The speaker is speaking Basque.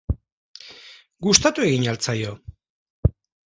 Gustatu egin al zaio?